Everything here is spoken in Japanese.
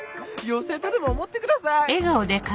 妖精とでも思ってください！